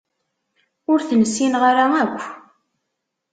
Ur ten-ssineɣ ara akk.